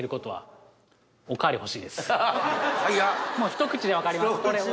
ひと口で分かります。